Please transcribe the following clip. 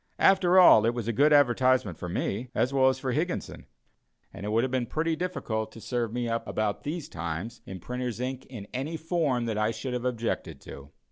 After all, it was a good advertisement for me, as well as for Higginson; and it would have been pretty difficult to serve me up about these times in printers' ink in any form that I should have objected to.